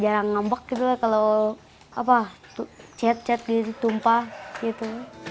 jarang ngambek gitu kalau chat chat gitu tumpah gitu